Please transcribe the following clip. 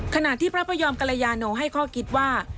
ขณะที่พระพระยอมกัลยานูให้ข้อกิจว่า